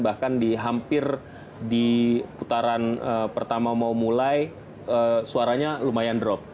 bahkan di hampir di putaran pertama mau mulai suaranya lumayan drop